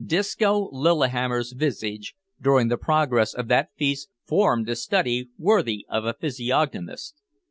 Disco Lillihammer's visage, during the progress of that feast, formed a study worthy of a physiognomist.